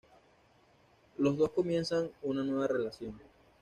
Los dos comienzan una nueva relación.